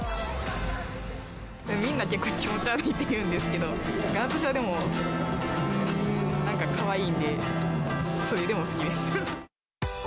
みんな結構気持ち悪いって言うんですけど、私は、でも、なんかかわいいんで、それでも好きです。